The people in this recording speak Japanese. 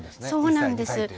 そうなんです。